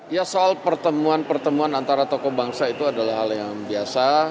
ya soal pertemuan pertemuan antara tokoh bangsa itu adalah hal yang biasa